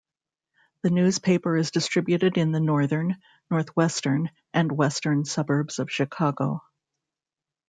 The newspaper is distributed in the northern, northwestern and western suburbs of Chicago.